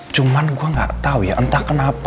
cuman gue gak tau ya entah kenapa